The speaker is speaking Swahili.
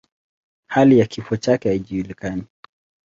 Hali ya kifo chake haijulikani.